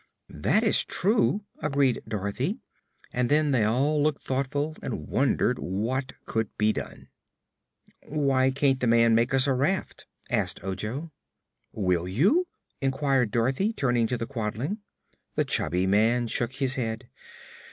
"That is true," agreed Dorothy; and then they all looked thoughtful and wondered what could be done. "Why can't the man make us a raft?" asked Ojo. "Will you?" inquired Dorothy, turning to the Quadling. The chubby man shook his head.